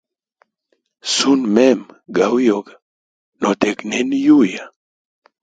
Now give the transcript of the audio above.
Suna mema ga uyoga notegnena yuya.